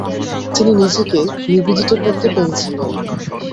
তিনি নিজেকে নিবেদিত করতে পেরেছিলেন।